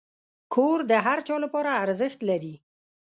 کور د هر چا لپاره ارزښت لري.